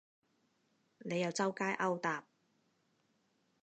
你又周街勾搭